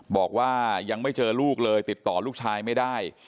บอกว่ายังไม่เจอลูกเลยติดต่อลูกชายไม่ได้